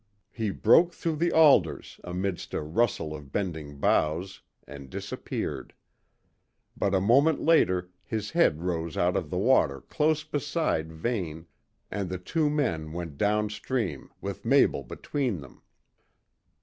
He broke through the alders amidst a rustle of bending boughs and disappeared; but a moment later his head rose out of the water close beside Vane, and the two men went down stream with Mabel between them.